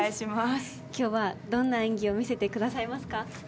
今日はどんな演技を見せてくれますか？